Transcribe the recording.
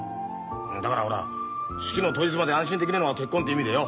だからほら式の当日まで安心できねえのが結婚って意味でよ。